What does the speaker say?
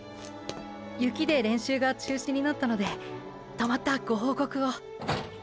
雪で練習が中止になったのでたまったご報告を！！